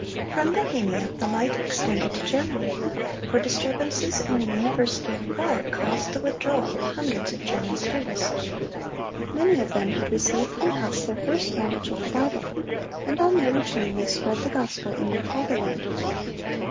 From Bohemia the light extended to Germany; for disturbances in the University of Prague caused the withdrawal of hundreds of German students. Many of them had received from Huss their first knowledge of the Bible, and on their return they spread the gospel in their fatherland.